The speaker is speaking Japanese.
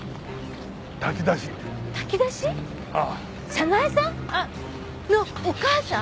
早苗さん！？のお母さん？